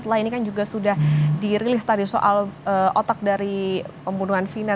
setelah ini kan juga sudah dirilis tadi soal otak dari pembunuhan vina